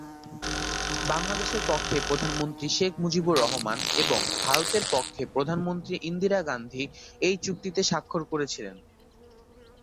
বাংলাদেশের পক্ষে প্রধানমন্ত্রী শেখ মুজিবুর রহমান এবং ভারতের পক্ষে প্রধানমন্ত্রী ইন্দিরা গান্ধী এই চুক্তিতে স্বাক্ষর করেছিলেন।